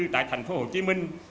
tại thành phố hồ chí minh